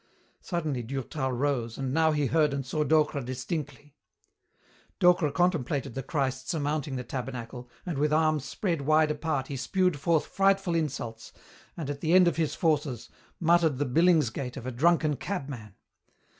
Suddenly Durtal rose, and now he heard and saw Docre distinctly. Docre contemplated the Christ surmounting the tabernacle, and with arms spread wide apart he spewed forth frightful insults, and, at the end of his forces, muttered the billingsgate of a drunken cabman.